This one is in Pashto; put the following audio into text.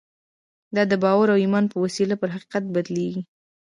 دا د باور او ایمان په وسیله پر حقیقت بدلېږي